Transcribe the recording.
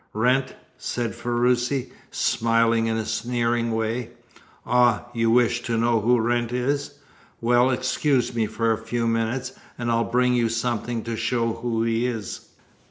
"Wrent?" said Ferruci, smiling in a sneering way. "Ah! you wish to know who Wrent is? Well, excuse me for a few minutes, and I'll bring you something to show who he is."